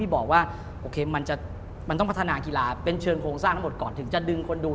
นึกว่ามันต้องพัฒนากีฬาให้เป็นเชิร์นโครงสร้างก่อนถึงดึงคนดู